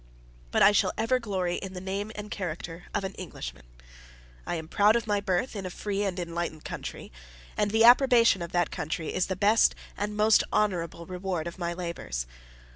But I shall ever glory in the name and character of an Englishman: I am proud of my birth in a free and enlightened country; and the approbation of that country is the best and most honorable reward of my labors.